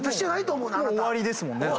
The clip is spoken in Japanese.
もう終わりですもんね。